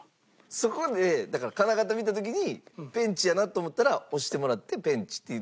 そこでだから金型見た時にペンチやなと思ったら押してもらって「ペンチ」って言って頂いたら。